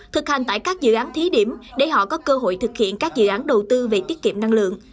thực hành tại các dự án thí điểm để họ có cơ hội thực hiện các dự án đầu tư về tiết kiệm năng lượng